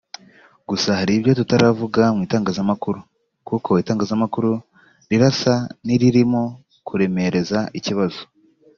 gusa hari ibyo tutaravuga mu itangazamukuru kuko itangazamakuru rirasa n’iririmo kuremereza ikibazo